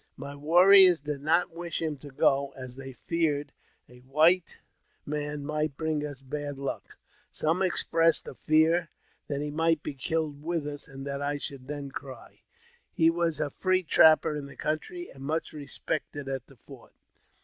My warriors did not wish him to go, as they feared a whi man might bring us bad luck. Some expressed a fear t he might be killed with us, and that I should then cry. was a free trapper in the country, and much respected at t fort.